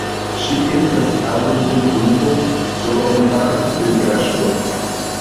Ŝi estas ano de grupo "Zoom-art" de Braŝovo.